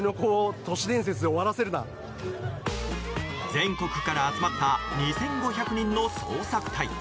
全国から集まった２５００人の捜索隊。